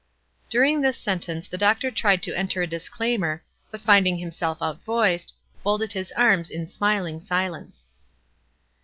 During this sentence the doctor tried to enter a disclaimer, but fiuding himself outvoiced, folded his arms in smiling silence.